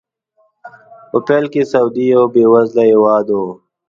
په پیل کې سعودي یو بې وزله هېواد و.